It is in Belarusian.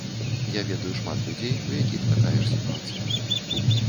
Я ведаю шмат людзей, у якіх такая ж сітуацыя.